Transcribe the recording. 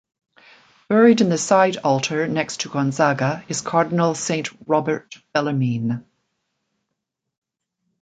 Buried in the side altar next to Gonzaga is Cardinal Saint Robert Bellarmine.